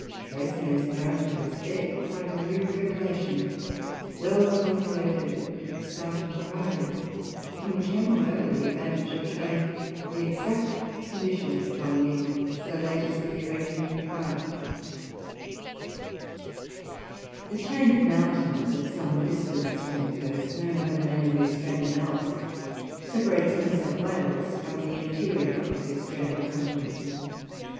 Freycinet's narrative was there quite a new revelation, well calculated to excite inquiry, and which had, moreover, the advantage of showing the exact condition of the colony so late as the year 1825. The chain of mountains at some distance from the coast, known by the name of the Australian Alps, separates New South Wales from the interior of the Australian continent.